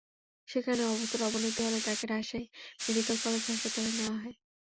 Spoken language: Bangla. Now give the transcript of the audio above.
সেখানে অবস্থার অবনতি হলে তাকে রাজশাহী মেডিকেল কলেজ হাসপাতালে নেওয়া হয়।